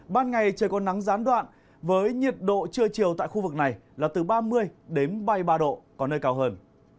ban ngày trời có nắng gián đoạn với nhiệt độ trưa chiều tại khu vực này là từ ba mươi đến ba mươi ba độ có nơi cao hơn